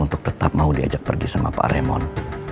untuk tetap mau diajak pergi sama pak remon